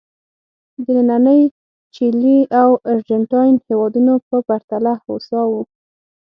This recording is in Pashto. د نننۍ چیلي او ارجنټاین هېوادونو په پرتله هوسا وو.